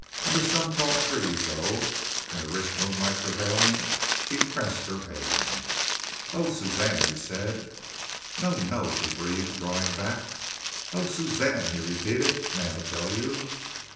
Under some tall trees, though, in the rich moonlight prevailing, he pressed her hand. "Oh, Suzanne," he said. "No, no," she breathed, drawing back. "Oh, Suzanne," he repeated, "may I tell you?"